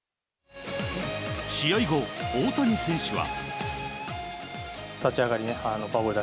試合後、大谷選手は。